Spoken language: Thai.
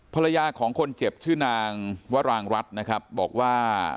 ภรรยาของคนเจ็บชื่อนางวรางรัฐนะครับบอกว่า